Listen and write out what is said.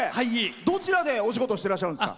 どちらでお仕事してらっしゃるんですか？